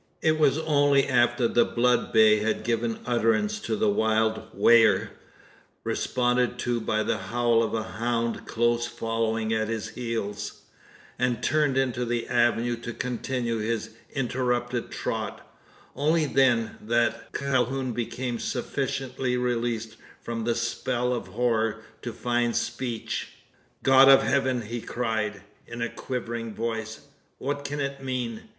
It was only after the blood bay had given utterance to a wild "whigher" responded to by the howl of a hound close following at his heels and turned into the avenue to continue his interrupted trot only then that Calhoun became sufficiently released from the spell of horror to find speech. "God of heaven!" he cried, in a quivering voice, "what can it mean?